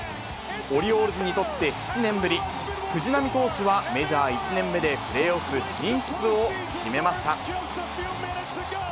オリオールズにとって７年ぶり、藤浪投手はメジャー１年目で、プレーオフ進出を決めました。